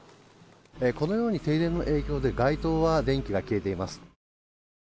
このように停電の影響で街灯は電気が消えています。